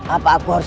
apa aku harus